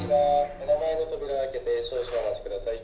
目の前の扉を開けて少々お待ち下さい。